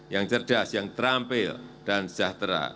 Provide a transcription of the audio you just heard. yang cerdas yang terampil dan sejahtera